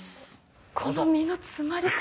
この身の詰まり方。